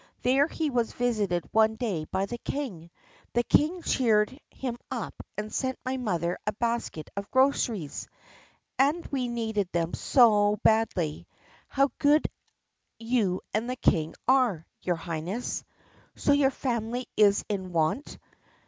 There he was visited one day by the King. The King cheered him up and sent my mother a basket of groceries. And we needed them so badly! How good you and the King are, your Highness!" "So your family is in want?